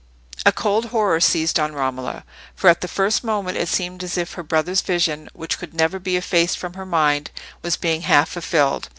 A cold horror seized on Romola, for at the first moment it seemed as if her brother's vision, which could never be effaced from her mind, was being half fulfilled.